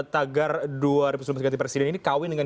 tagar dua ribu sembilan belas ini kawin dengan